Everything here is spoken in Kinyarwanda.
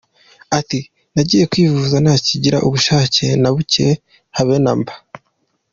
Ati “Nagiye kwivuza ntakigira ubushake na buke habe na mba.